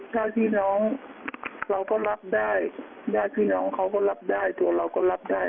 ญาติพี่น้องเราก็รับได้ญาติพี่น้องเขาก็รับได้ตัวเราก็รับได้